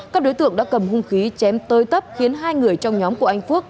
các đối tượng đã cầm hung khí chém tơi tấp khiến hai người trong nhóm của anh phúc